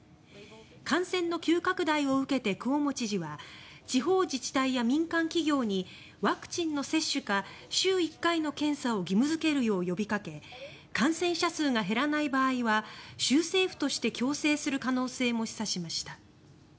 感染の急拡大を受けてクオモ知事は地方自治体や民間企業にワクチンの接種か週１回の検査を義務付けるよう呼びかけ感染者数が減らない場合は州政府として強制する可能性も示唆しました。